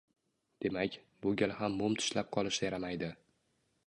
Demak, bu gal ham mum tishlab qolish yaramaydi.